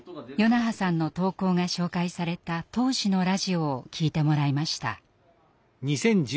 與那覇さんの投稿が紹介された当時のラジオを聞いてもらいました。